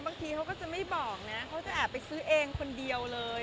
บางทีเค้าไม่ก้อบเอาเนี่ยเค้าจะอาลไปซื้อเองคนเดียวเลย